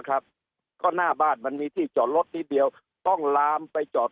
ครับก็หน้าบ้านมันมีที่จอดรถนิดเดียวต้องลามไปจอด